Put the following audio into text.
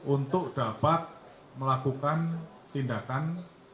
untuk dapat melakukan tindakan